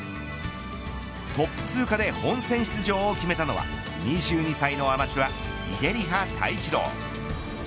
トップ通過で本戦出場を決めたのは２２歳のアマチュア出利葉太一郎。